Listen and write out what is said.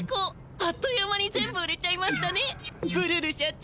あっという間に全部売れちゃいましたねブルル社長。